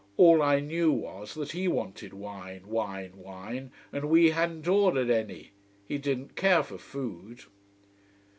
All I knew was that he wanted wine, wine, wine, and we hadn't ordered any. He didn't care for food.